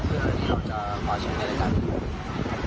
เพื่อที่เราจะประชาติใหม่จากนี้